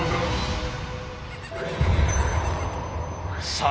さあ